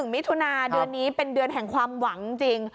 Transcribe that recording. มิถุนาเดือนนี้เป็นเดือนแห่งความหวังจริง